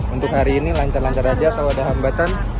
untuk hari ini lancar lancar saja selalu ada hambatan